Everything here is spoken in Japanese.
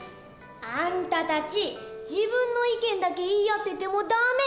あんたたち自分の意見だけ言い合っててもダメ。